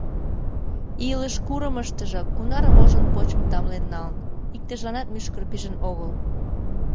Илыш курымыштыжо кунар вожынпочым тамлен налын — иктыжланат мӱшкыр пижын огыл...